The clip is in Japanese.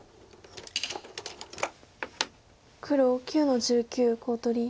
黒９の十九コウ取り。